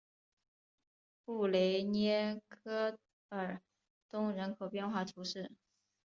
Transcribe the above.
布雷涅科尔东人口变化图示